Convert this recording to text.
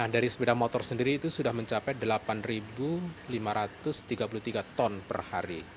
dari sepeda motor sendiri itu sudah mencapai delapan lima ratus tiga puluh tiga ton per hari